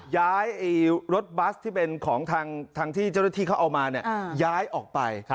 ย้ายรถบัสที่เป็นของทางที่เจ้าหน้าที่เขาเอามาย้ายออกไป